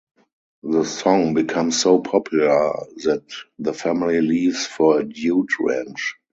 The song becomes so popular that the family leaves for a dude ranch.